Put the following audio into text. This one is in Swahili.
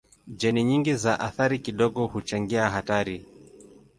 Jeni nyingi za athari kidogo huchangia hatari.